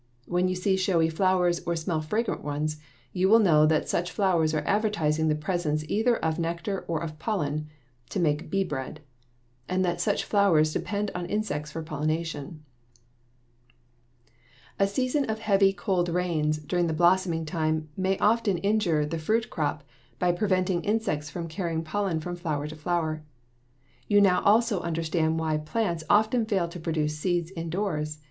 When you see showy flowers or smell fragrant ones, you will know that such flowers are advertising the presence either of nectar or of pollen (to make beebread) and that such flowers depend on insects for pollination. [Illustration: FIG. 36. BEES CARRYING POLLEN] A season of heavy, cold rains during blossoming time may often injure the fruit crop by preventing insects from carrying pollen from flower to flower. You now also understand why plants often fail to produce seeds indoors.